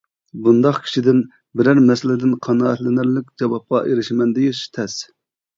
بۇنداق كىشىدىن بىرەر مەسىلىدىن قانائەتلىنەرلىك جاۋابقا ئېرىشىمەن دېيىش تەس.